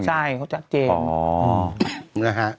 ใช่เขาชัดเจน